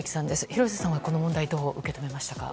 廣瀬さんはこの問題どう受け止めましたか。